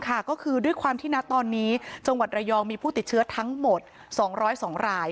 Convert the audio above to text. ก็คือด้วยความที่นะตอนนี้จังหวัดระยองมีผู้ติดเชื้อทั้งหมด๒๐๒ราย